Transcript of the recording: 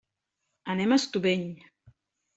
Anem a Estubeny.